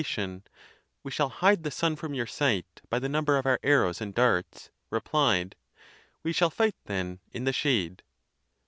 ON THE CONTEMPT OF DEATH. 55 tion, " We shall hide the sun from your sight by the num. ber of our arrows and darts," replied, " We shall fight, then, in the shade."